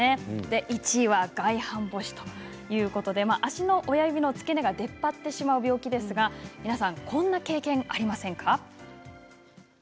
１位は外反母趾ということで足の指の付け根が出っ張ってしまう病気ですが皆さんこんな経験はありませんか。